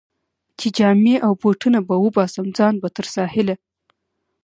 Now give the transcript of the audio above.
چې جامې او بوټونه به وباسم، ځان به تر ساحله.